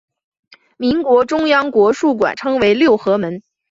民国中央国术馆称为六合门。